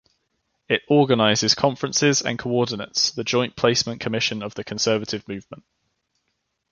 It organizes conferences and coordinates the Joint Placement Commission of the Conservative movement.